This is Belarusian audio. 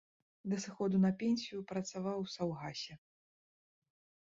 Да сыходу на пенсію працаваў у саўгасе.